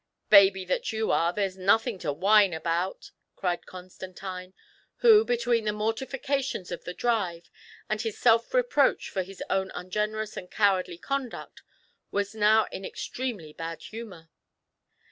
" Baby that you are, there's nothing to whine about !" cried Constantine, who, between the mortifications of the drive, and his self reproach for his own ungenerous and cowardly conduct, was now in extremely bad humour.